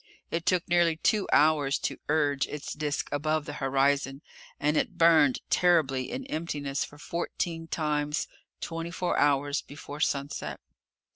It took nearly two hours to urge its disk above the horizon, and it burned terribly in emptiness for fourteen times twenty four hours before sunset.